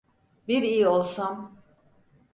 Bir iyi olsam!